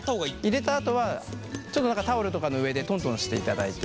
入れたあとはちょっと何かタオルとかの上でトントンしていただいて。